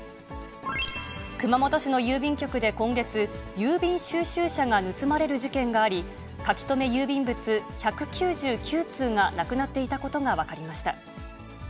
熊本市の郵便局で今月、郵便収集車が盗まれる事件があり、書留郵便物１９９通がなくなっていたことが分かりました。